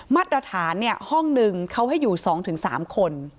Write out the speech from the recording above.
มาตรฐานเนี่ยห้องนึงเขาให้อยู่๒๓คน